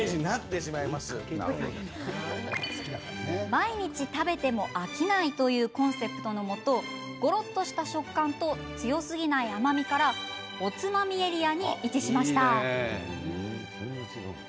毎日食べても飽きないというコンセプトのもとごろっとした食感と強すぎない甘みからおつまみエリアに位置しました。